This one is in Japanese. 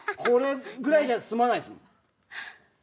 これぐらいじゃ済まないですもん。